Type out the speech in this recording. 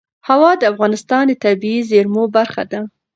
هوا د افغانستان د طبیعي زیرمو برخه ده.